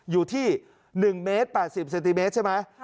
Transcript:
อยู่ที่๑เมตร๘๐เซนติเมตรใช่ไหม